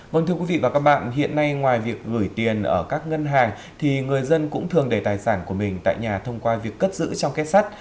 vâng thưa quý vị và các bạn hiện nay ngoài việc gửi tiền ở các ngân hàng thì người dân cũng thường để tài sản của mình tại nhà thông qua việc cất giữ trong kết sắt